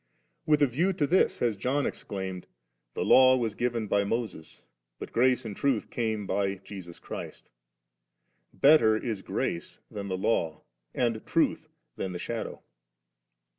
With a view to this has John exclaimed, * The law was given by Moses, but grace and truth came by Jesus Christ^.' Better is grace than the Law, and truth than the shadow.